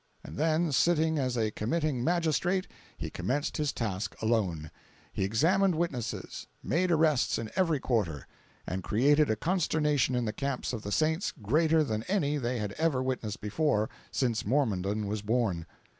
And then, sitting as a committing magistrate, he commenced his task alone. He examined witnesses, made arrests in every quarter, and created a consternation in the camps of the saints greater than any they had ever witnessed before, since Mormondom was born.